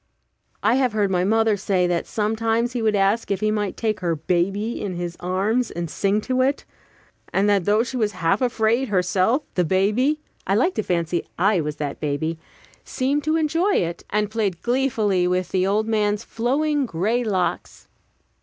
I have heard my mother say that sometimes he would ask if he might take her baby in his arms and sing to it; and that though she was half afraid herself, the baby I like to fancy I was that baby seemed to enjoy it, and played gleefully with the old man's flowing gray locks.